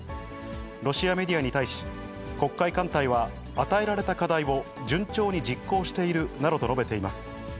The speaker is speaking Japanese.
ロシアメディアに対し、黒海艦隊は、与えられた課題を順調に実行しているなどと述べています。